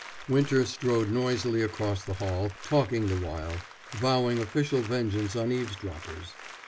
Winter strode noisily across the hall, talking the while, vowing official vengeance on eavesdroppers.